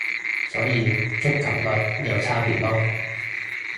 所以觸及率有差別囉